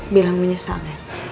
bilang menyesal ya